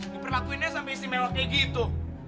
diperlakuinnya sampe isi mewah kayak gitu